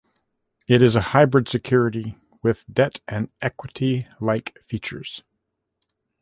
It is a hybrid security with debt- and equity-like features.